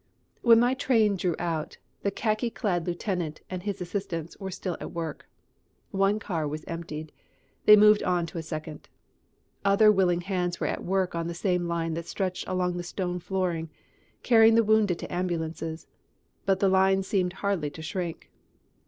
When my train drew out, the khaki clad lieutenant and his assistants were still at work. One car was emptied. They moved on to a second. Other willing hands were at work on the line that stretched along the stone flooring, carrying the wounded to ambulances, but the line seemed hardly to shrink.